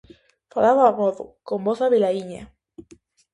Falaba amodo, con voz avelaíña.